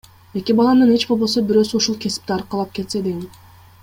Эки баламдын эч болбосо бирөөсү ушул кесипти аркалап кетсе дейм.